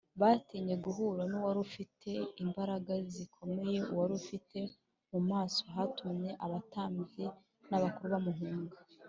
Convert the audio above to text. batinye guhura n’uwari ufite imbaraga zikomeye, uwari ufite mu maso hatumye abatambyi n’abakuru bamuhunga